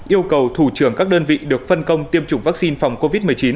yêu cầu thủ trưởng các đơn vị được phân công tiêm chủng vaccine phòng covid một mươi chín